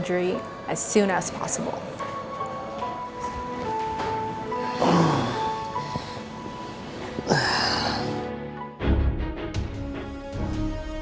jika semuanya baik baik saja